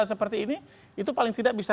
seperti ini itu paling tidak bisa